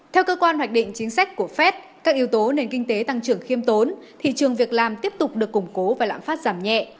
theo cơ quan hoạch định chính sách của fed các yếu tố nền kinh tế tăng trưởng khiêm tốn thị trường việc làm tiếp tục được củng cố và lạm phát giảm nhẹ